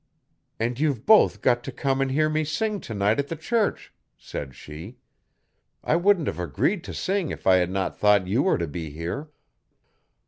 'And you've both got to come and hear me sing tonight at the church,' said she. 'I wouldn't have agreed to sing if I had not thought you were to be here.'